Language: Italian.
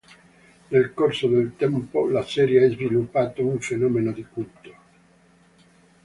Nel corso del tempo la serie ha sviluppato un fenomeno di culto.